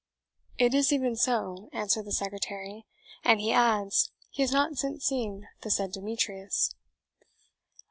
"It is even so," answered the secretary. "And he adds, he has not since seen the said Demetrius."